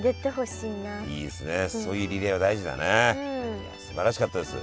いやすばらしかったです。